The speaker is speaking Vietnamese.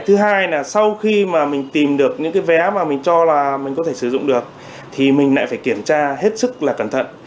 thứ hai là sau khi mà mình tìm được những cái vé mà mình cho là mình có thể sử dụng được thì mình lại phải kiểm tra hết sức là cẩn thận